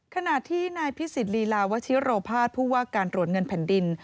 ขณะที่นายพิสิทธิลีลาวชิโรภาสผู้ว่าการตรวจเงินแผ่นดิน